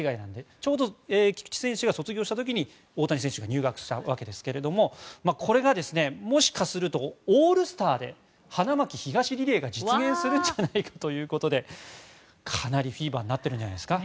ちょうど菊池選手が卒業した時に大谷選手が入学したんですがこれが、もしかするとオールスターで花巻東リレーが実現するんじゃないかということでかなりフィーバーになってるんじゃないですか。